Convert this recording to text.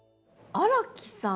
荒木さん。